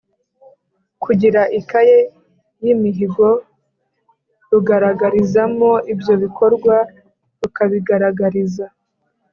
kugira ikaye y’imihigo, rugaragarizamo ibyo bikorwa, rukabigaragariza